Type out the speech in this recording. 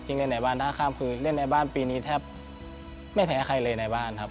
เล่นในบ้านท่าข้ามคือเล่นในบ้านปีนี้แทบไม่แพ้ใครเลยในบ้านครับ